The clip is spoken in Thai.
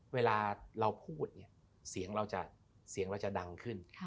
เวลาเราพูดเสียงเราจะดังขึ้น